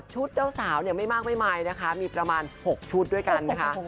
เจ้าสาวเนี่ยไม่มากไม่มายนะคะมีประมาณ๖ชุดด้วยกันนะคะ